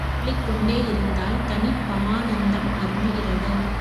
சொல்லிக் கொண்டேயிருந்தால் தனிப் பமானந்தம் அரும்புகிறது.